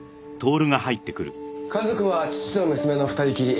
家族は父と娘の２人きり。